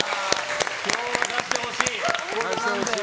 今日は勝ってほしい！